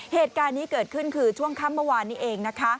เหตุการณ์นี้เกิดขึ้นคือช่วงค่ำเมื่อวานนี้เองนะคะ